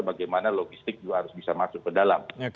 bagaimana logistik juga harus bisa masuk ke dalam